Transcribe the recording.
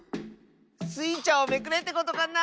スイちゃんをめくれってことかな